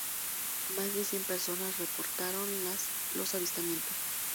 Más de cien personas reportaron los avistamientos.